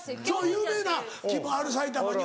有名な木もある埼玉にも。